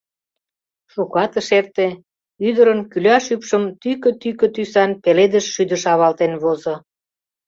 Шукат ыш эрте — ӱдырын кӱляш ӱпшым тӱкӧ-тӱкӧ тӱсан пеледыш шӱдыш авалтен возо.